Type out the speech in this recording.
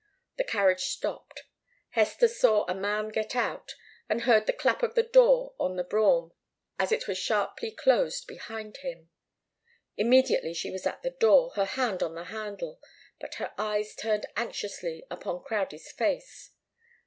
The carriage stopped. Hester saw a man get out, and heard the clap of the door of the brougham as it was sharply closed behind him. Immediately she was at the door, her hand on the handle, but her eyes turned anxiously upon Crowdie's face.